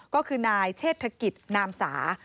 ก็คือนายเชษฐกิจนามสา